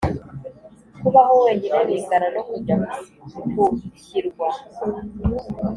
kubaho wenyine bingana no kujya ku kirwa